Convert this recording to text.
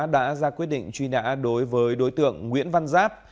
đã ra quyết định truy nã đối với đối tượng nguyễn văn giáp